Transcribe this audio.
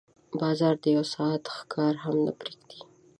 باز د یو ساعت ښکار هم نه پریږدي